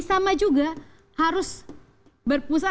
sama juga harus berpusat